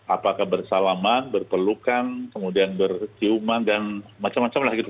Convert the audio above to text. apakah bersalaman berpelukan kemudian berciuman dan macam macam lah gitu